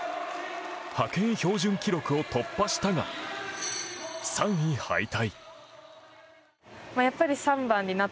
派遣標準記録を突破したが３位敗退。